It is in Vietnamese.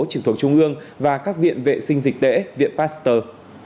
trường thuộc trung ương và các viện vệ sinh dịch đễ viện pasteur